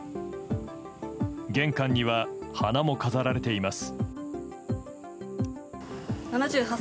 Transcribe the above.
玄関には花も飾られています。